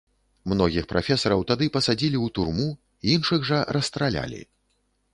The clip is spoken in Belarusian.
Многіх прафесараў тады пасадзілі ў турму, іншых жа расстралялі.